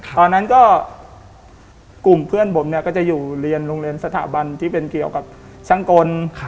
ตอนนั้นก็กลุ่มเพื่อนผมเนี่ยก็จะอยู่เรียนโรงเรียนสถาบันที่เป็นเกี่ยวกับช่างกล